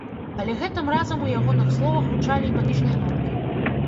Але гэтым разам у ягоных словах гучалі і панічныя ноткі.